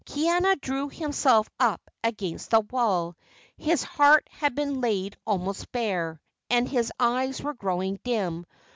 Kaiana drew himself up against the wall. His heart had been laid almost bare, and his eyes were growing dim.